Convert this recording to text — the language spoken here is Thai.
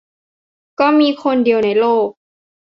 ก็มีคนเดียวในโลก